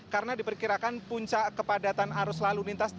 karena diperkirakan puncak kepadatan arus lalu lintas